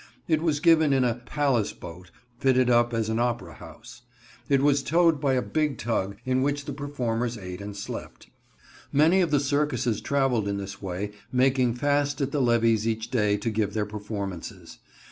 It was given in a "Palace Boat," fitted up as an opera house. It was towed by a big tug, in which the performers ate and slept. Many of the circuses traveled in this way, making fast at the levees each day to give their performances.